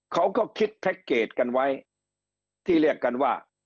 เขาก็คิดแพ็คเกจกันไว้ที่เรียกกันว่า